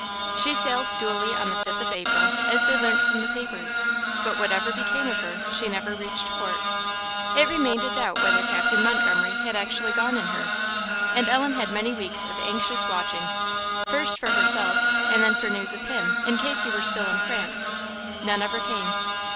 She sailed duly on the fifth of April, as they learnt from the papers; but whatever became of her, she never reached port. It remained a doubt whether Captain Montgomery had actually gone in her; and Ellen had many weeks of anxious watching, first for herself and then for news of him, in case he were still in France. None ever came.